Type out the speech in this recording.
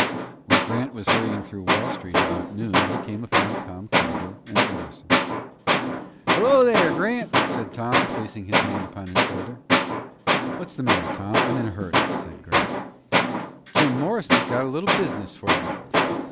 When Grant was hurrying through Wall Street about noon he came upon Tom Calder and Morrison. "Hello, there, Grant," said Tom, placing his hand upon his shoulder. "What's the matter, Tom? I'm in a hurry," said Grant. "Jim Morrison's got a little business for you."